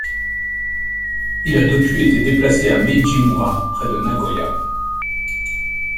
Il a depuis été déplacé à Meiji Mura près de Nagoya.